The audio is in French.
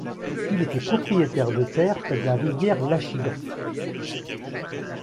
Il était propriétaire de terres près de la rivière L'Achigan.